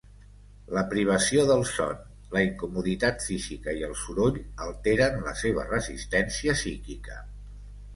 La privació del son, la incomoditat física i el soroll alteren la seva resistència psíquica.